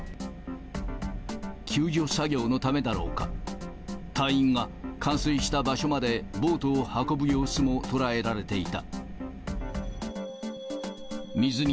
救助作業のためだろうか、隊員が冠水した場所までボートを運ぶ様子も捉えられていた。